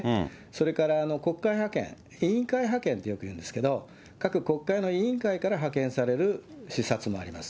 それから、国会派遣、委員会派遣ってよく言うんですけど、各国会の委員会から派遣される視察もあります。